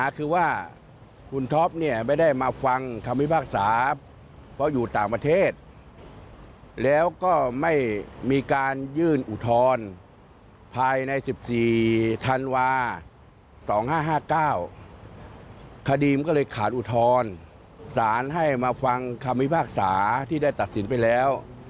๒๕๕๙คดีมันก็เลยขาดอุทธรณภ์สารให้มาฟังคำพิพากษาที่ได้ตัดสินไปแล้ว